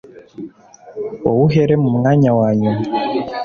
wowe uhere mu mwanya wa nyuma.